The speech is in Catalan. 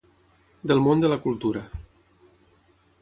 Del món de la cultura.